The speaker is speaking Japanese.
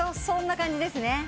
そんな感じですね。